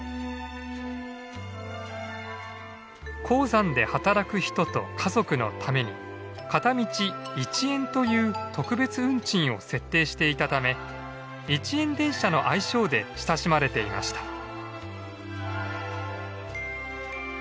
鉱山で働く人と家族のために片道１円という特別運賃を設定していたため「一円電車」の愛称で親しまれていました。